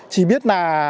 chỉ biết là